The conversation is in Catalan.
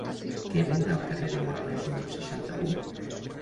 Què venen al carrer de Morales número seixanta-u?